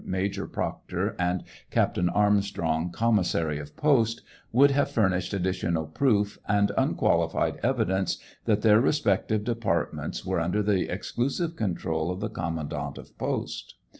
Major Proctor, and Captain Armstrong, commissary of post, would have furnished additional proof and unqualified evidence that their respective depa, rtments were under the exclusive control of the commandant of post.